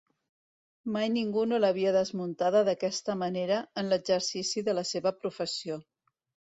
Mai ningú no l'havia desmuntada d'aquesta manera en l'exercici de la seva professió.